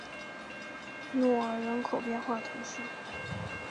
若尔人口变化图示